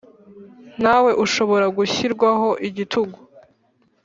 Ntawe ushobora gushyirwaho igitugu